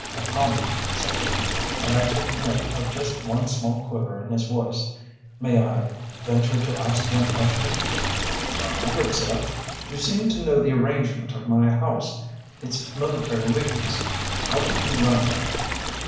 "McCalmont," said he, and I took note of just one small quiver in his voice, "may I venture to ask one question?" "A hundred, seh." "You seem to know the arrangement of my house its military weakness. How did you learn that?"